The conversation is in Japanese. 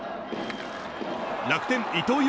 楽天、伊藤裕